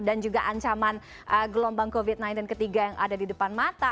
dan juga ancaman gelombang covid sembilan belas ketiga yang ada di depan mata